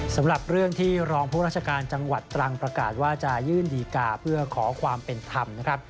สำหรับเรื่องที่รองผู้ราชการจังหวัดตรังประกาศว่าจะยื่นดีกาเพื่อขอความเป็นธรรมนะครับ